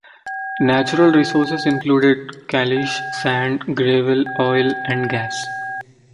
Natural resources included caliche, sand, gravel, oil, and gas.